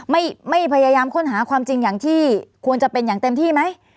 ไม่ไม่พยายามค้นหาความจริงอย่างที่ควรจะเป็นอย่างเต็มที่ไหม